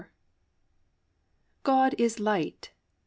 "God is Light."